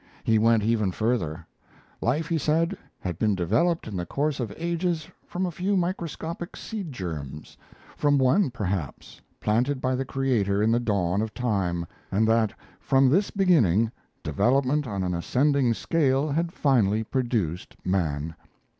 He went even further: Life, he said, had been developed in the course of ages from a few microscopic seed germs from one, perhaps, planted by the Creator in the dawn of time, and that from this beginning development on an ascending scale had finally produced man.